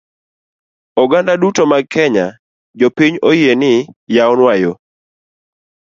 Oganda duto mag kenya, jopiny oyie ni yawnwa yoo!